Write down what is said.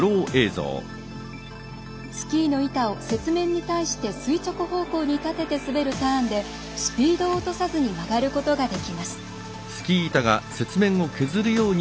スキーの板を雪面に対して垂直方向に立てて滑るターンでスピードを落とさずに曲がることができます。